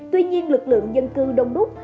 tuy nhiên lực lượng dân cư đông đúc